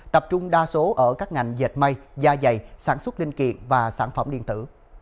tập trung đa số ở các ngành dệt may da dày sản xuất linh kiện và sản phẩm điện tử